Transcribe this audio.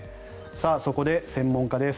そこで専門家です。